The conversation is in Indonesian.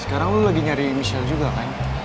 sekarang lo lagi nyari michelle juga kan